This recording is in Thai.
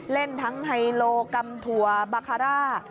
เล่นทั้งไฮโลกำถั่วบาคาร่า